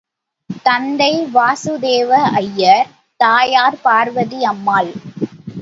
தந்தை வாசுதேவ ஐயர், தாயார் பார்வதி அம்மாள்.